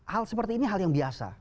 hal seperti ini hal yang biasa